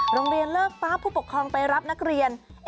โรงเรียนเลิกป๊าผู้ปกครองไปรับนักเรียน